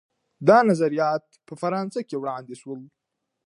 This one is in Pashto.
دا نظریات په فرانسه کي وړاندې سول.